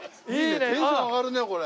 テンション上がるねこれ。